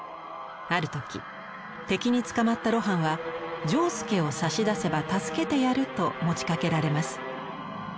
ある時敵に捕まった露伴は「仗助を差し出せば助けてやる」と持ちかけられます。